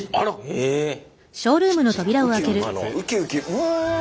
うわ！